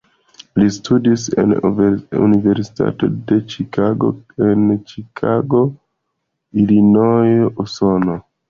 Li studis en Universitato de Ĉikago en Ĉikago, Ilinojo, Usono.